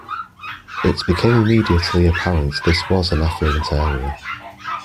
It became immediately apparent this was an affluent area.